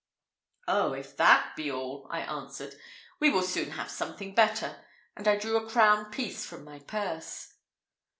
"Oh, if that be all," I answered, "we will soon have something better;" and I drew a crown piece from my purse.